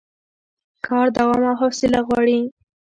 کار دوام او حوصله غواړي